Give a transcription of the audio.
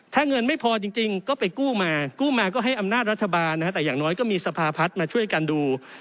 ถ้าเงินไม่พอจริงก็ไปกู้มากู้มาก็ให้อำนาจรัฐบาลนะฮะแต่อย่างน้อยก็มีสภาพัฒน์มาช่วยกันดู